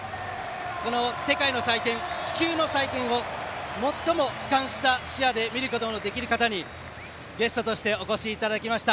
この世界の祭典、地球の祭典を最もふかんした視野で見ることのできる方にゲストとしてお越しいただきました。